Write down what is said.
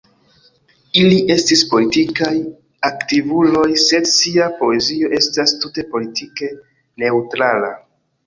Ili estis politikaj aktivuloj, sed sia poezio estas tute politike neŭtrala.